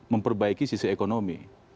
memperbaiki sisi ekonomi